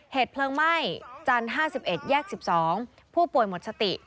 เหตุเพลิงไหม้จันทร์๕๑แยก๑๒ผู้ป่วยหมดสติ